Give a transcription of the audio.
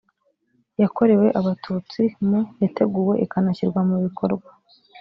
yakorewe abatutsi mu yateguwe ikanashyirwa mu bikorwa